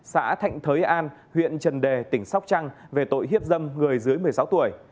xã thạnh thới an huyện trần đề tỉnh sóc trăng về tội hiếp dâm người dưới một mươi sáu tuổi